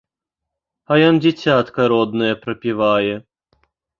А ён дзіцятка роднае прапівае!